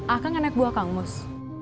akang anak buah kangus